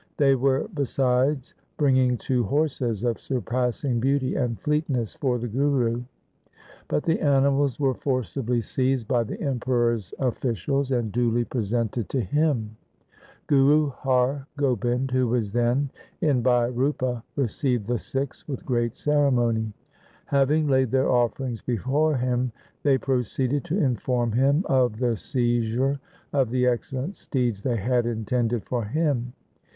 They were besides bringing two horses of surpassing beauty and fleetness for the Guru, but the animals were forcibly seized by the Emperor's officials and duly 1 Sorath. 156 THE SIKH RELIGION presented to him. Guru Har Gobind, who was then in Bhai Rupa, received the Sikhs with great ceremony. Having laid their offerings before him they proceeded to inform him of the seizure of the excellent steeds they had intended for him.